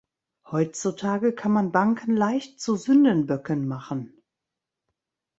Heutzutage kann man Banken leicht zu Sündenböcken machen.